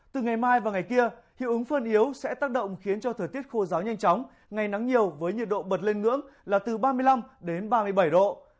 từ ngày mai và ngày kia hiệu ứng phơn yếu sẽ tác động khiến cho thời tiết khô giáo nhanh chóng ngày nắng nhiều với nhiệt độ bật lên ngưỡng là từ ba mươi năm đến ba mươi bảy độ